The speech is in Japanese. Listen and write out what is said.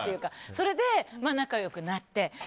それで仲良くなって。